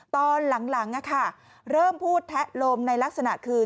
ตอนหลังเริ่มพูดแทะลมในลักษณะคือ